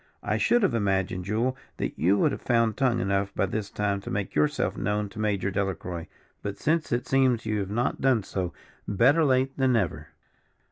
I should have imagined, Jule, that you would have found tongue enough by this time to make yourself known to Major Delacroix, but since it seems you have not done so, better late than never.